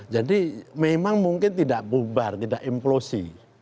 jadi memang mungkin tidak bubar tidak implosi